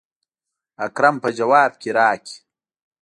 اکرم به جواب راکي.